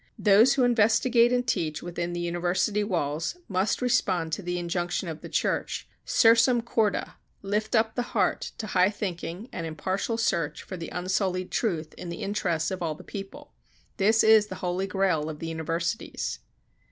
Those who investigate and teach within the university walls must respond to the injunction of the church, "Sursum corda" lift up the heart to high thinking and impartial search for the unsullied truth in the interests of all the people; this is the holy grail of the universities.